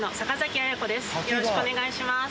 よろしくお願いします。